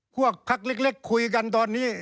พักเล็กคุยกันตอนนี้